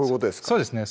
そうですね